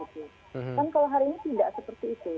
kan kalau hari ini tidak seperti itu